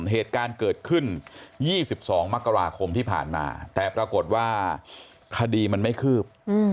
เหตุการณ์เกิดขึ้น๒๒มกราคมที่ผ่านมาแต่ปรากฏว่าคดีมันไม่คืบ